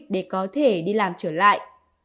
để có thể đi làm trở lại